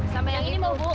sama yang ini mau bu